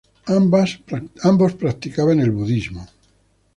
Ambos practicaban el budismo.